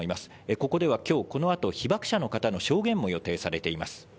ここではきょう、このあと、被爆者の方の証言も予定されています。